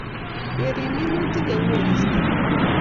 Kerip minutik eng koristo